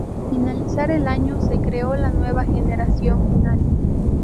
Al finalizar el año, se creó La Nueva Generación "Final".